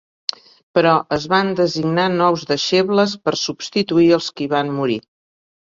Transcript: Però es van designar nous deixebles per substituir els qui van morir.